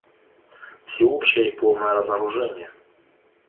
Всеобщее и полное разоружение.